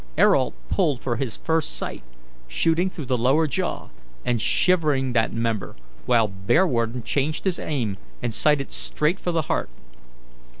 Ayrault pulled for his first sight, shooting through the lower jaw, and shivering that member, while Bearwarden changed his aim and sighted straight for the heart.